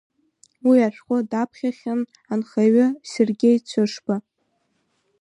Уи ашәҟәы даԥхьахьан анхаҩы Сергеи Цәышба.